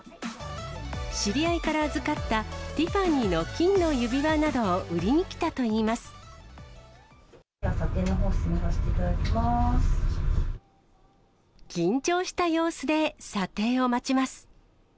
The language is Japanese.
知り合いから預かったティファニーの金の指輪などを売りに来たと査定のほうを進めさせていた緊張した様子で査定を待ちます。